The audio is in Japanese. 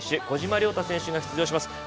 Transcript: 小島良太選手が出場します。